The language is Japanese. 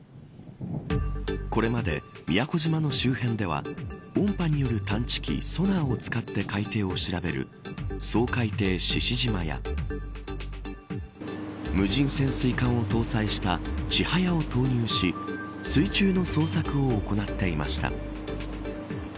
これまで宮古島の周辺では音波による探知機ソナーを使って海底を調べる掃海艇ししじまや無人潜水艦を搭載したちはやを投入し水中の捜索を行っていました。